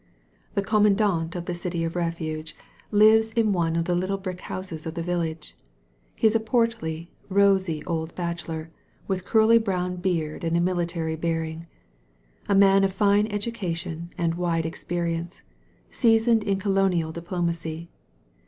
The commandant of the City of Refuge lives in one of the little brick houses of the village. He is a portly, rosy old bachelor, with a curly brown beard and a military bearing; a man of fine education and wide experience, seasoned in colonial diplo macy.